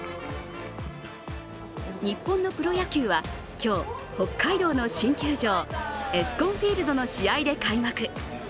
日本のプロ野球は今日、北海道の新球場、ＥＳＣＯＮＦＩＥＬＤの試合で開幕。